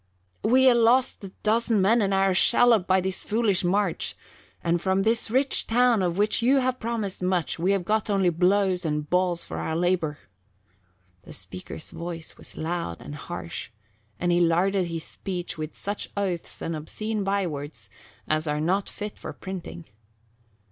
"We ha' lost a dozen men and our shallop by this foolish march, and from this rich town of which you have promised much we have got only blows and balls for our labour." The speaker's voice was loud and harsh, and he larded his speech with such oaths and obscene bywords as are not fit for printing.